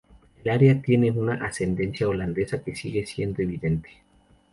El área tiene una ascendencia holandesa que sigue siendo evidente.